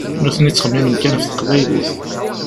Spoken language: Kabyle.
Nutni ttxemmimen kan ɣef teqbaylit.